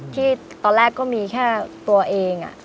ที่ตอนแรกก็มีแค่ตัวเอง